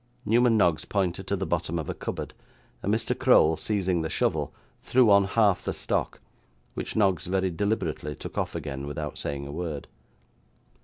Newman Noggs pointed to the bottom of a cupboard, and Mr. Crowl, seizing the shovel, threw on half the stock: which Noggs very deliberately took off again, without saying a word.